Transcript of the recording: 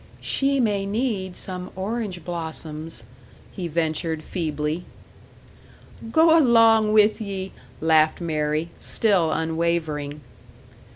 "She may need some orange blossoms," he ventured, feebly. "Go along with ye!" laughed Mary, still unwavering.